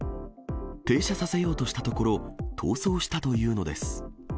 停車させようとしたところ、逃走したというのです。